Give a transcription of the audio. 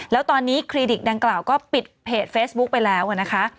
แล้วตอนนี้คลินิกดังกล่าวก็ปิดเพจเฟซบุ๊คไปแล้วนะคะ